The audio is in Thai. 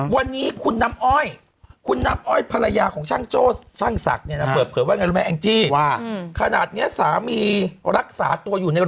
วันนี้คุณน้ำอ้อยคุณน้ำอ้อยภรรยาของช่างโจ้ช่างสักเนี่ยนะ